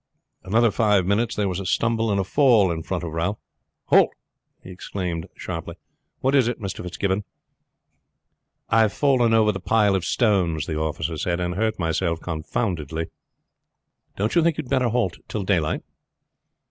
Another five minutes there was a stumble and a fall in front of Ralph. "Halt!" he exclaimed sharply. "What is it, Mr. Fitzgibbon?" "I have fallen over the pile of stones," the officer said, "and hurt myself confoundedly." "Don't you think we had better halt till daylight?"